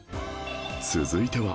続いては